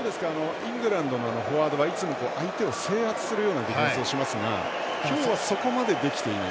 イングランドのフォワードはいつも相手を制圧するようなディフェンスをしますが今日は、そこまでできていない？